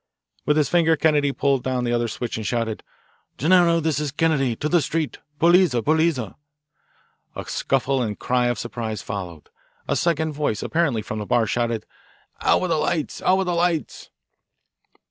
With his finger Kennedy pulled down the other switch and shouted: "Gennaro, this is Kennedy! To the street! Polizia! Polizia!" A scuffle and a cry of surprise followed. A second voice, apparently from the bar, shouted, "Out with the lights, out with the lights!"